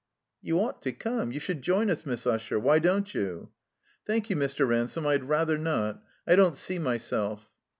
"You ought to cx>me. You should join us, Miss Usher. Why don't you ?'' "Thank you, Mr. Ransome, I'd rather not. I don't see myself!"